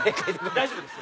大丈夫です。